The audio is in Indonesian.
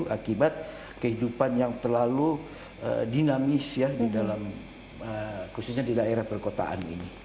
akibat kehidupan yang terlalu dinamis ya di dalam khususnya di daerah perkotaan ini